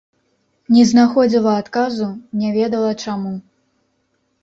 Не знаходзіла адказу, не ведала чаму.